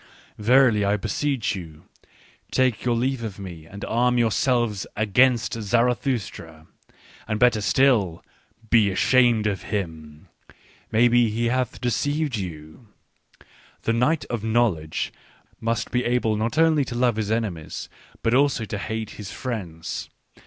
" Verily, I beseech you : take your leave of me and arm yourselves against Zarathustra! And better still, be ashamed of him ! Maybe he hath deceived you. " The knight of knowledge must be able not only to love his enemies, but also to hate his friends.